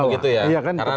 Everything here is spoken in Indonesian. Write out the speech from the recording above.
jadi mekanismenya begitu ya